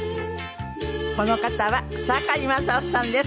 この方は草刈正雄さんです。